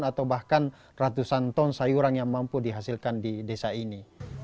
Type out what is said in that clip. atau bahkan ratusan ton sayuran yang mampu dihasilkan di desa ini